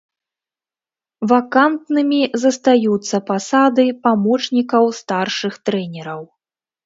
Вакантнымі застаюцца пасады памочнікаў старшых трэнераў.